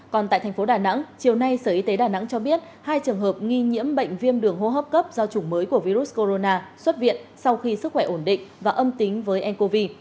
còn tại thành phố đà nẵng chiều nay sở y tế đà nẵng cho biết hai trường hợp nghi nhiễm bệnh viêm đường hô hấp cấp do chủng mới của virus corona xuất viện sau khi sức khỏe ổn định và âm tính với ncov